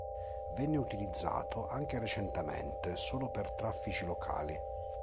Venne utilizzato anche recentemente, solo per traffici locali.